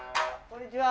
こんにちは。